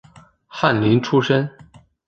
翰林出身。